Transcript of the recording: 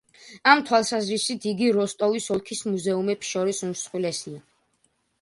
ამ თვალსაზრისით იგი როსტოვის ოლქის მუზეუმებს შორის უმსხვილესია.